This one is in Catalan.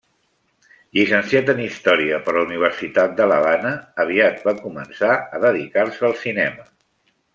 Llicenciat en Història per la Universitat de l'Havana, aviat va començar a dedicar-se al cinema.